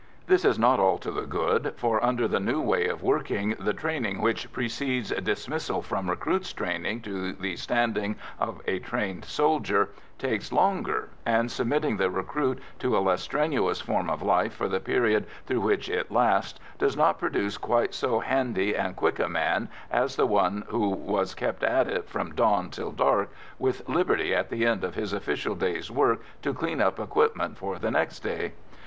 This is not all to the good, for under the new way of working the training which precedes "dismissal" from recruit's training to the standing of a trained soldier takes longer, and, submitting the recruit to a less strenuous form of life for the period through which it lasts, does not produce quite so handy and quick a man as the one who was kept at it from dawn till dark, with liberty at the end of his official day's work to clean up equipment for the next day.